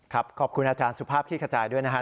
ขอบคุณอาจารย์สุภาพขี้ขจายด้วยนะครับ